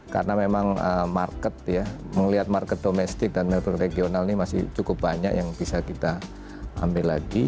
karena memang market ya melihat market domestik dan regional ini masih cukup banyak yang bisa kita ambil lagi